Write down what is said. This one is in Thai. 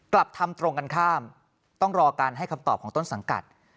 กลับทำตรงกันข้ามต้องรอการให้คำตอบของต้นสังกัด